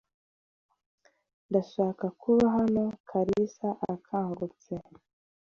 Ndashaka kuba hano Kalisa akangutse.